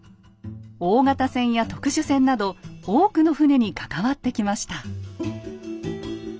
大型船や特殊船など多くの船に関わってきました。